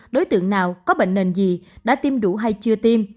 đối tượng nào có bệnh nền gì đã tiêm đủ hay chưa tiêm